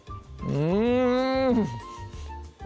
うん！